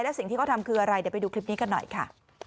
และสิ่งที่เขาทำคืออะไรเดี๋ยวไปดูคลิปนี้กันหน่อยค่ะ